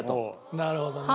なるほどね。